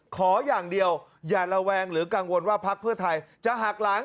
ขออย่างเดียวอย่าระแวงหรือกังวลว่าพักเพื่อไทยจะหักหลัง